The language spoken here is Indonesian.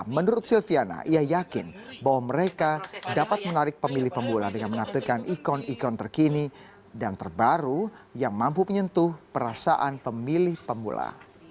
menurut silviana ia yakin bahwa mereka dapat menarik pemilih pemula dengan menampilkan ikon ikon terkini dan terbaru yang mampu menyentuh perasaan pemilih pemula